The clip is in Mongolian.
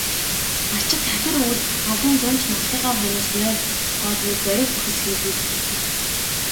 Малчид хахир өвөл, халуун зун ч малынхаа хойноос нойр, хоолгүй борви бохисхийлгүй зүтгэдэг.